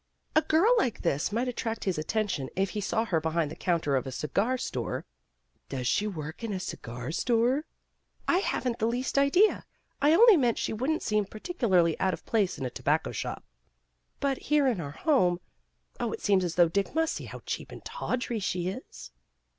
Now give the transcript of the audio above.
"A girl like this might attract his attention if he saw her behind the counter of a cigar store " "Does she work in a cigar store?" "I haven't the least idea. I only meant she wouldn't seem particularly out of place in a tobacco shop. But here in our home Oh, it seems as though Dick must see how cheap and tawdry she is."